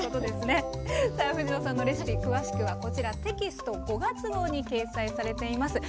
さあ藤野さんのレシピ詳しくはこちらテキスト５月号に掲載されています。